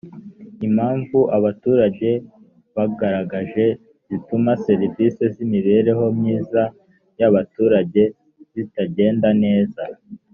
impamvu abaturage bagaragaje zituma serivisi z imibereho myiza y abaturage zitagenda neza